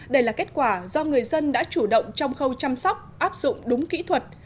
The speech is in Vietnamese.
đây là kết quả do người dân đã chủ động trong khâu chăm sóc áp dụng đúng kỹ thuật